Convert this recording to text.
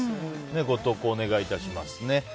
ご投稿お願い致します。